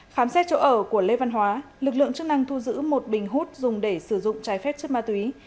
khám xét chỗ ở của lê văn hóa lực lượng chức năng thu giữ một bình hút dùng để sử dụng trái phép chất ma túy